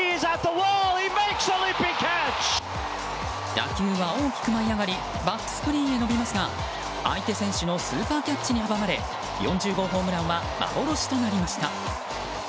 打球は大きく舞い上がりバックスクリーンへ伸びますが相手選手のスーパーキャッチに阻まれ４０号ホームランは幻となりました。